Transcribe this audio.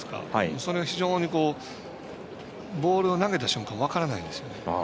それ、非常にボールを投げた瞬間分からないんですよね。